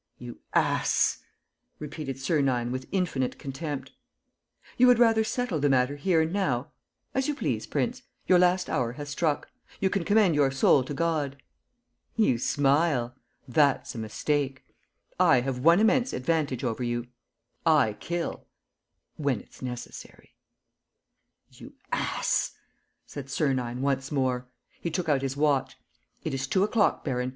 "You ass!" repeated Sernine, with infinite contempt. "You would rather settle the matter here and now? As you please, prince: your last hour has struck. You can commend your soul to God. You smile! That's a mistake. I have one immense advantage over you! I kill ... when it's necessary. ..." "You ass!" said Sernine once more. He took out his watch. "It is two o'clock, baron.